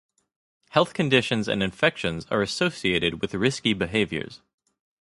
Health conditions and infections are associated with risky behaviors.